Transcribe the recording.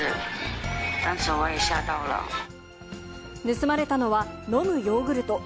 盗まれたのは飲むヨーグルト。